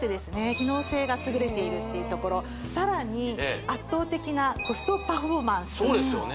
機能性が優れているっていうところさらに圧倒的なコストパフォーマンスそうですよね